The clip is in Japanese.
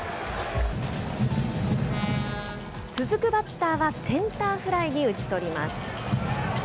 続くバッターはセンターフライに打ち取ります。